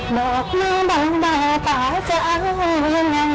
บอกมึงบางบ่าตาจะเอายังไง